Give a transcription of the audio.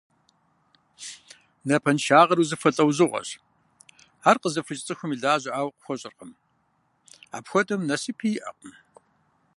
Напэншагъэр узыфэ лӏэужьгъуэщ. Ар къызэфыкӏ цӏыхум илажьэӏауэ къыхуэщӏэркъым. Апхуэдэм нэсыпи иӏэкъым.